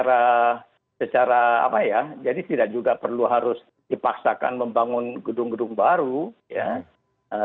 secara apa ya jadi tidak juga perlu harus dipaksakan membangun gedung gedung baru ya